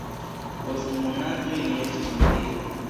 Post du monatoj li estis murdita.